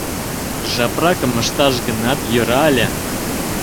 Жапракым ышташ гынат, йӧра ыле...